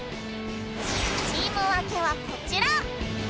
チームわけはこちら！